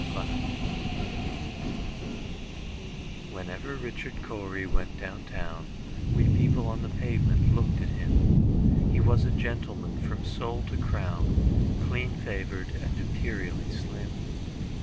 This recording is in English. Richard Cory WHENEVER Richard Cory went down town, We people on the pavement looked at him:He was a gentleman from sole to crown, Clean favored, and imperially slim.